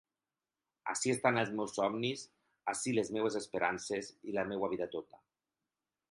Ací estan el meus somnis, ací les meues esperances i la meua vida tota.